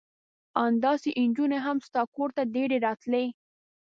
ان داسې نجونې هم ستا کور ته ډېرې راتلې.